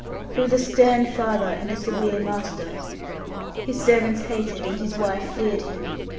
He was a stern father and a severe master. His servants hated, and his wife feared him.